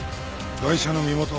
ガイシャの身元は？